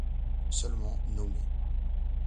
Seulement nommer.